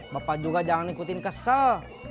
bapak juga jangan ikutin kesel